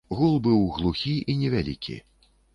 Гул быў глухі і невялікі.